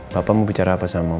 bapak mau bicara apa sama mama saya